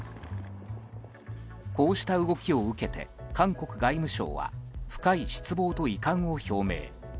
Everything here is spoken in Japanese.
こうした動きを受けて韓国外務省は深い失望と遺憾を表明。